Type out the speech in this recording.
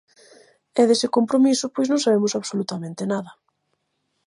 E dese compromiso pois non sabemos absolutamente nada.